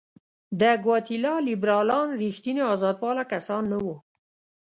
د ګواتیلا لیبرالان رښتیني آزادپاله کسان نه وو.